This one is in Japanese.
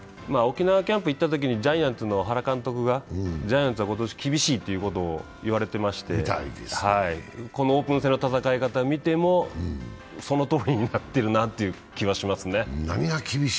沖縄キャンプ行ったときに、ジャイアンツの原監督がジャイアンツは今年厳しいということを言われていまして、このオープン戦の戦い方を見てもそのとおりになっているなという気はしますね。